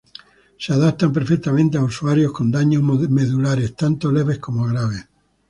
Se adaptan perfectamente a usuarios con daños medulares tanto leves como graves.